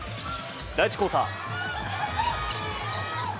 第１クオーター。